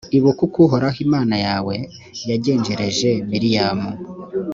ibuka uko uhoraho imana yawe yagenjereje miriyamu.